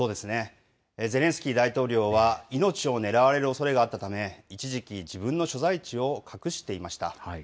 ゼレンスキー大統領は命を狙われるおそれがあったため、一時期、自分の所在地を隠していました。